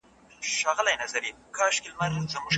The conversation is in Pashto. ایا مسلکي بڼوال شین ممیز صادروي؟